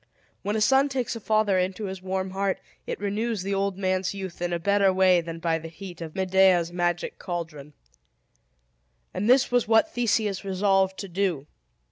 When a son takes a father into his warm heart it renews the old man's youth in a better way than by the heat of Medea's magic caldron. And this was what Theseus resolved to do.